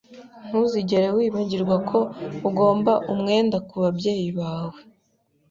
Ntuzigere wibagirwa ko ugomba umwenda kubabyeyi bawe.